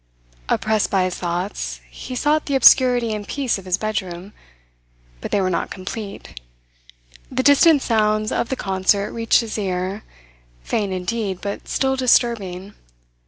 Oppressed by his thoughts, he sought the obscurity and peace of his bedroom; but they were not complete. The distant sounds of the concert reached his ear, faint indeed, but still disturbing.